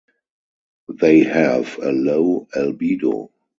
They have a low albedo.